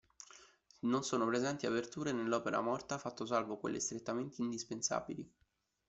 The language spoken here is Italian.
Non sono presenti aperture nell'opera morta fatto salvo quelle strettamente indispensabili.